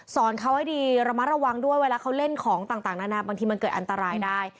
สอนเขาให้ดีระมัดระวังด้วยเวลาเขาเล่นของต่างนานาบางทีมันเกิดอันตรายได้